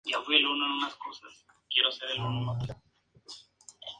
Su trama mezcla enredo amoroso con circunstancias históricas.